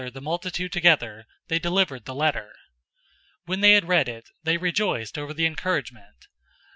Having gathered the multitude together, they delivered the letter. 015:031 When they had read it, they rejoiced over the encouragement.